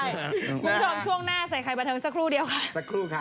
ช่วงหน้าใส่ไข่บันเทิงสักครู่เดียวค่ะสักครู่ค่ะ